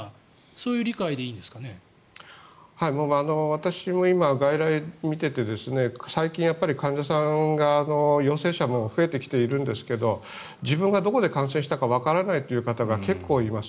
私も今、外来を診ていて最近患者さんが陽性者増えてきているんですが自分がどこで感染したかわからないという方が結構います。